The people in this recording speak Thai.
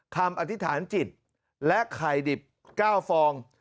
อธิษฐานจิตและไข่ดิบ๙ฟอง